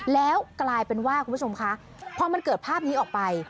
แล้วกลายเป็นว่าคุณผู้ชมคะพอมันเกิดภาพนี้ออกไป